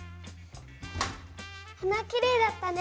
花きれいだったね。